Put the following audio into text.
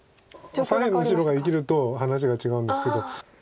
左辺の白が生きると話が違うんですけど。